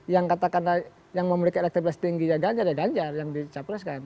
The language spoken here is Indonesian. yang katakanlah yang memiliki elektabilitas tinggi ganjar ya ganjar yang dicapreskan